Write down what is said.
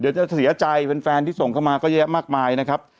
เดี๋ยวจะเสียใจแฟนที่ส่งเข้ามาก็แยะมากมายนะครับ